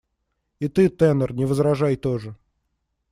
И ты, тенор, не возражай тоже.